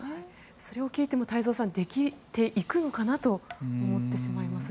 それを聞いてもできていくのかな？と思ってしまいますが。